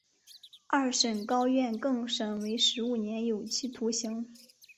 二审高院更审为十五年有期徒刑。